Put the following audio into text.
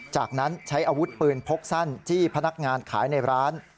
จากนั้นใช้อาวุธปืนพกสั้นจี้พนักงานขายในร้าน